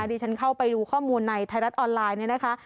ดิฉันเข้าไปดูข้อมูลในไทยรัฐออนไลน์เนี่ยนะคะ